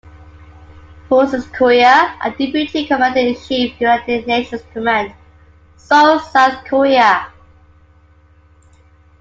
Forces Korea and deputy commander in chief, United Nations Command, Seoul, South Korea.